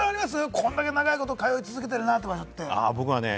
これだけ長いこと、通い続けてるなって。